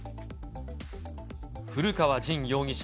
古川刃容疑者